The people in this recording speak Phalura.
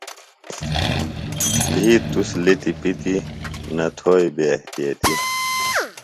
بِھیت تُس لیتیۡ پیتیۡ، نہ تھوئیۡ بے احتیطیۡ